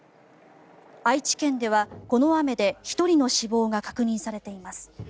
愛知県では、この雨で１人の死亡が確認されています。